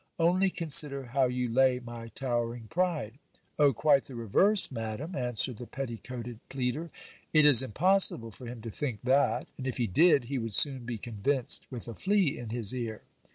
Only consider how you lay my towering pride. Oh ! quite the reverse, madam, answered the petticoated pleader ; it is impossible for him to think that ; and if he did, he would soon be convinced with a flea in his ear.